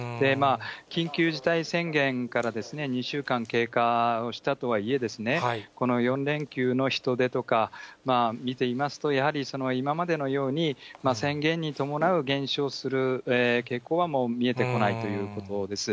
緊急事態宣言から２週間経過をしたとはいえ、この４連休の人出とか見ていますと、やはり今までのように、宣言に伴う減少する傾向はもう見えてこないということです。